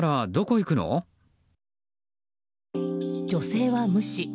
女性は無視。